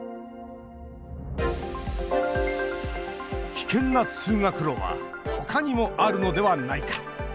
危険な通学路はほかにもあるのではないか。